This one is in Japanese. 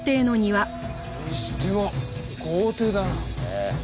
ええ。